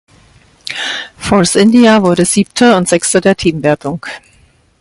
Force India wurde Siebter und Sechster der Teamwertung.